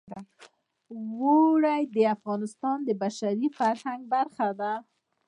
اوړي د افغانستان د بشري فرهنګ برخه ده.